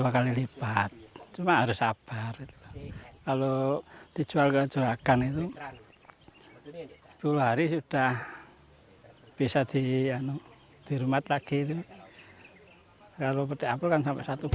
kalau petik apel kan sampai satu rupiah